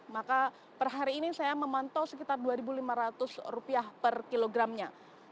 maka per hari ini saya memantau sekitar rp dua lima ratus per kilogramnya